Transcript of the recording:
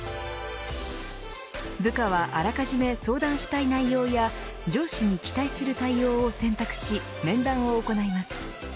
部下はあらかじめ相談したい内容や上司に期待する対応を選択し面談を行います。